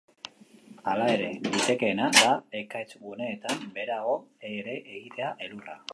Hala ere, litekeena da ekaitz guneetan beherago ere egitea elurra.